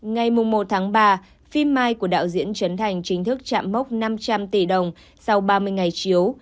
ngày một tháng ba phim mai của đạo diễn trấn thành chính thức chạm mốc năm trăm linh tỷ đồng sau ba mươi ngày chiếu